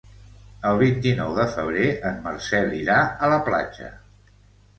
El vint-i-nou de febrer en Marcel irà a la platja.